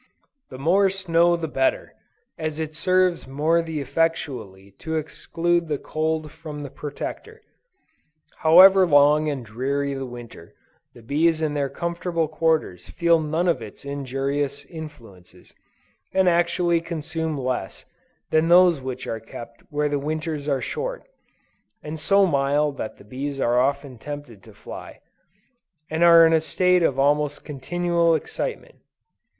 The more snow the better, as it serves more the effectually to exclude the cold from the Protector. However long and dreary the Winter, the bees in their comfortable quarters feel none of its injurious influences; and actually consume less, than those which are kept where the winters are short, and so mild that the bees are often tempted to fly, and are in a state of almost continual excitement.